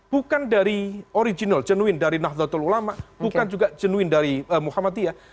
bukan dari original genuin dari nahdlatul ulama bukan juga genuin dari muhammadiyah